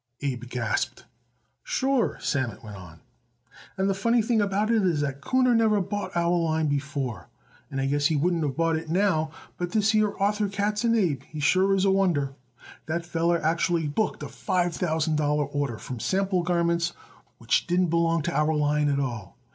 Abe gasped. "Sure," Sammet went on, "and the funny thing about it is that Kuhner never bought our line before, and I guess he wouldn't of bought it now, but this here Arthur Katzen, Abe, he is sure a wonder. That feller actually booked a five thousand dollar order from sample garments which didn't belong to our line at all.